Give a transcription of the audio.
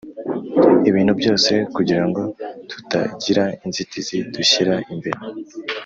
Ibintu byose kugira ngo tutagira inzitizi dushyira imbere